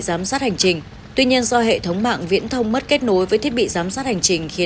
giám sát hành trình tuy nhiên do hệ thống mạng viễn thông mất kết nối với thiết bị giám sát hành trình khiến